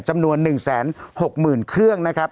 จำนวน๑๖๐๐๐เครื่องนะครับ